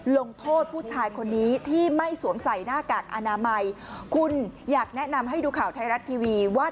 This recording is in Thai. ลงโทษผู้ชายคนนี้